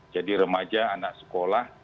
jadi remaja anak sekolah